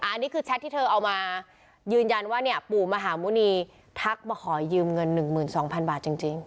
อันนี้คือแชทที่เธอเอามายืนยันว่าเนี่ยปู่มหาหมุณีทักมาขอยืมเงิน๑๒๐๐๐บาทจริง